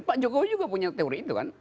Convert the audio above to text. pak jokowi juga punya teori itu kan